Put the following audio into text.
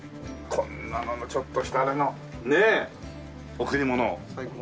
こんなのちょっとしたあれのねえ贈り物入学祝いとかね。